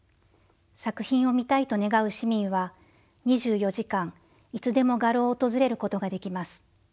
作品を見たいと願う市民は２４時間いつでも画廊を訪れることができます。